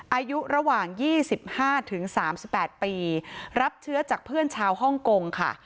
อายุระหว่าง๒๕๓๘ปีรับเชื้อจากเพื่อนชาวฮ่องกงค่ะ